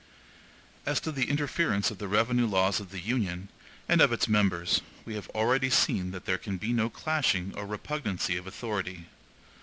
As to the interference of the revenue laws of the Union, and of its members, we have already seen that there can be no clashing or repugnancy of authority.